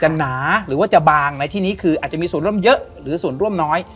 หนาหรือว่าจะบางในที่นี้คืออาจจะมีส่วนร่วมเยอะหรือส่วนร่วมน้อย